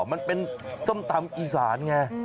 มันเป็นซ้ำตำอิสัส